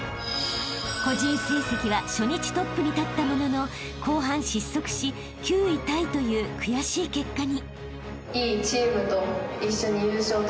［個人成績は初日トップに立ったものの後半失速し９位タイという悔しい結果に］